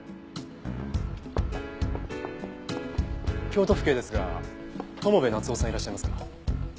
京都府警ですが友部夏雄さんいらっしゃいますか？